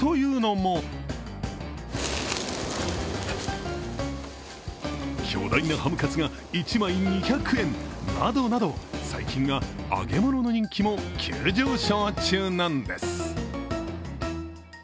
というのも巨大なハムカツが１枚２００円などなど最近は揚げ物の人気も急上昇中なんです。